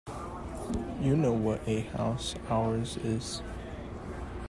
You know what a house ours is.